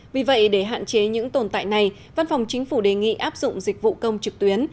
vì vậy để hạn chế những tồn tại này văn phòng chính phủ đề nghị áp dụng dịch vụ công trực tuyến